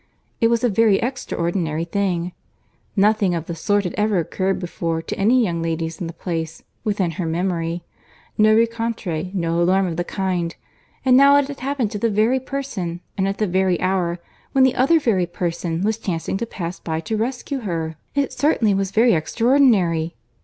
It was a very extraordinary thing! Nothing of the sort had ever occurred before to any young ladies in the place, within her memory; no rencontre, no alarm of the kind;—and now it had happened to the very person, and at the very hour, when the other very person was chancing to pass by to rescue her!—It certainly was very extraordinary!